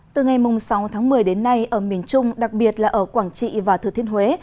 từ ngày sáu tháng một mươi đến nay ở miền trung đặc biệt là ở quảng trị và thừa thiên huế